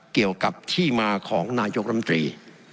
เกี่ยวกับที่มาของนายกรมตรี